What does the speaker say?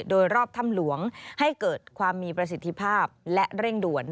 โดยรอบถ้ำหลวงให้เกิดความมีประสิทธิภาพและเร่งด่วน